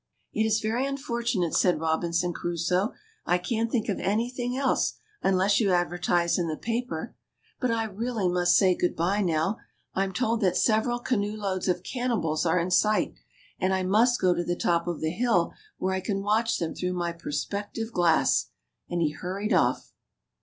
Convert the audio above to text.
^^It is very unfortunate," said Robinson Crusoe. I can't think of anything else, unless you advertise in the paper. But I must really say good by now ; I'm told that several canoe loads of cannibals are in sight, and I must go to the top of the hill where I can THE CHILDREN'S WONDER BOOK. watch them through my perspective glass/' and he hurried off.